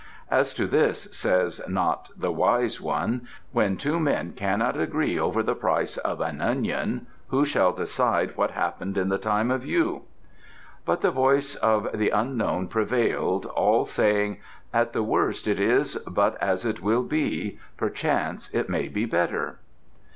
As to this, says not the Wise One: "When two men cannot agree over the price of an onion who shall decide what happened in the time of Yu?" But the voice of the unknown prevailed, all saying: "At the worst it is but as it will be; perchance it may be better."